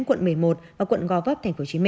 quận một mươi một và quận gò vấp tp hcm